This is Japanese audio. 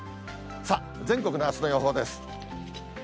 全国のあすの予報です。